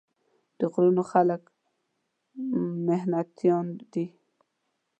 د غرونو خلک محنتيان دي ـ